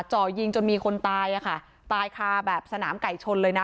จ่อยิงจนมีคนตายอ่ะค่ะตายคาแบบสนามไก่ชนเลยนะ